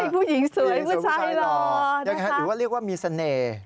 ผู้หญิงสวยผู้ชายหรอใช่ค่ะหรือว่าเรียกว่ามีเสน่ห์